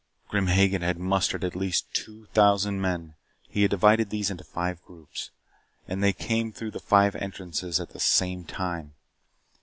Grim Hagen had mustered at least two thousand men. He had divided these into five groups, and they came through the five entrances at the same time.